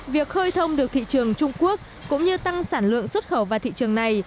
việc khơi thông được thị trường trung quốc cũng như tăng sản lượng xuất khẩu vào thị trường này